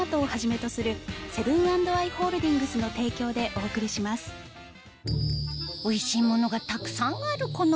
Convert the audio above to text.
お店ではおいしいものがたくさんあるこの